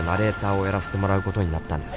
「やらせてもらうことになったんです」